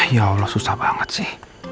yaudah susah banget sih